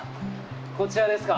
こちらですか。